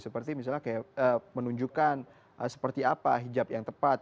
seperti misalnya menunjukkan seperti apa hijab yang tepat